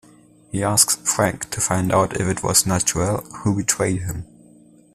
He asks Frank to find out if it was Naturelle who betrayed him.